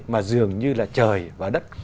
mà dường như là trời và đất